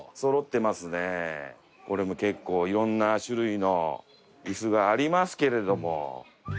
これも結構色んな種類のイスがありますけれども。